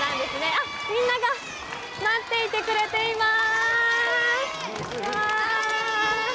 あっ、みんなが待っていてくれています。